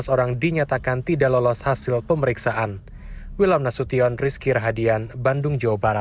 empat belas orang dinyatakan tidak lolos hasil pemeriksaan